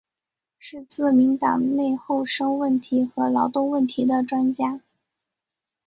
是自民党内厚生问题和劳动问题的专家。